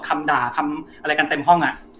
คำอะไรกันเต็มห้องน่ะ